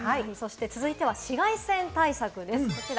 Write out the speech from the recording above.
続いては紫外線対策です。